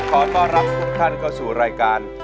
ขอต้อนรับคุณคุณค่ะที่เขาสู่รายการ